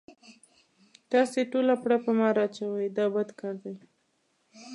تاسې ټوله پړه په ما را اچوئ دا بد کار دی.